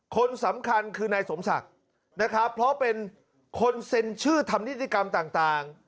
คนสำคัญคือนายสมศักดิ์นะครับเพราะเป็นคนเซ็นชื่อทำนิติกรรมต่าง